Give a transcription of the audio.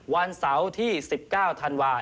วันเสาร์ที่๑๙ธันวาค